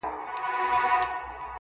خدایه زموږ ژوند په نوي کال کي کړې بدل.